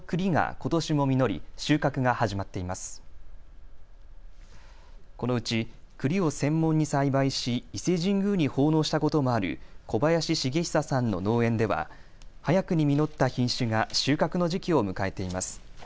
このうち、くりを専門に栽培し伊勢神宮に奉納したこともある小林茂久さんの農園では早くに実った品種が収穫の時期を迎えています。